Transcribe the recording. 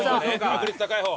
確率高い方。